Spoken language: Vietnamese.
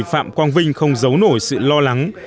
phạm quang vinh không giấu nổi sự lo lắng